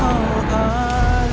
dan lelaki keras